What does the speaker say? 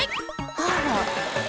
あら。